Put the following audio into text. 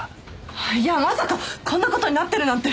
いやまさかこんな事になってるなんて！